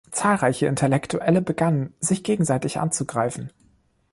Zahlreiche Intellektuelle begannen, sich gegenseitig anzugreifen.